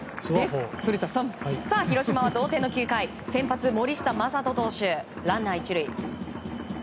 広島は同点の９回先発の森下暢仁投手ランナー１塁。